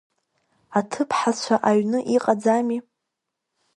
Аҭыԥҳацәа аҩны иҟаӡами?